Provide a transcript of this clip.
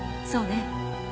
そうね。